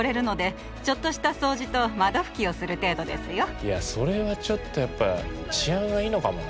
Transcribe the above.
いやそれはちょっとやっぱ治安がいいのかもな。